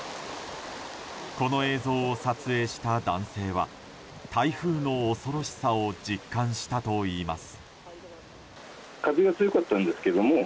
この映像を撮影した男性は台風の恐ろしさを実感したといいます。